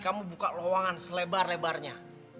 kamu buka lowongan selebar lebarnya